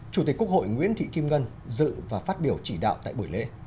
chủ tịch quốc hội nguyễn thị kim ngân dự và phát biểu chỉ đạo tại buổi lễ